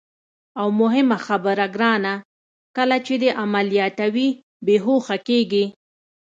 او مهمه خبره ګرانه، کله چې دې عملیاتوي، بېهوښه کېږي.